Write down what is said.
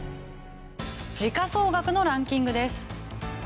時価総額のランキングです。